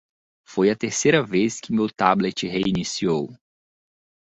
Foi a terceira vez que meu tablet reiniciou.